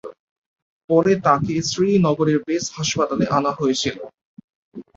পরে তাঁকে শ্রীনগরের বেস হাসপাতালে আনা হয়েছিল।